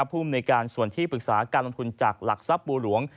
ภูมิในการส่วนที่ปรึกษาการลงทุนจากหลักทรัพย์บัวหลวง